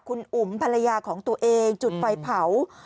คุณอุ๋มภรรยาของตัวเองจุดไฟเผา